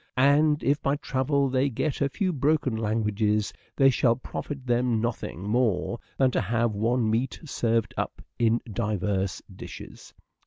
and if by travel they get a few broken languages they shall profit them nothing more than to have one meat served up in divers dishes."